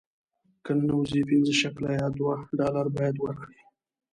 که ننوځې پنځه شکله یا دوه ډالره باید ورکړې.